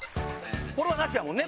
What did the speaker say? これはなしやもんね？